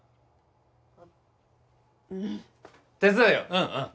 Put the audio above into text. うんうん。